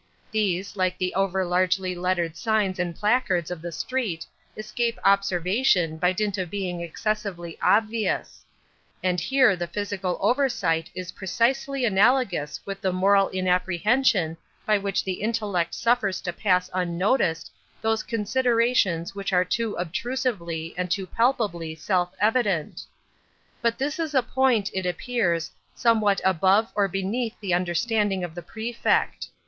These, like the over largely lettered signs and placards of the street, escape observation by dint of being excessively obvious; and here the physical oversight is precisely analogous with the moral inapprehension by which the intellect suffers to pass unnoticed those considerations which are too obtrusively and too palpably self evident. But this is a point, it appears, somewhat above or beneath the understanding of the Prefect.